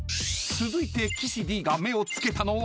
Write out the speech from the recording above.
［続いて岸Ｄが目を付けたのは］